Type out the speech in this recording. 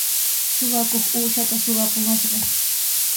Suqakuq uushaata suqapumashqa.